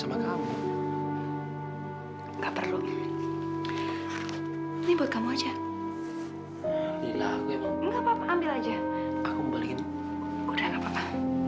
udah gak apa apa